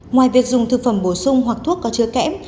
ngoài việc dùng thực phẩm bổ sung hoặc thuốc có chứa kẽm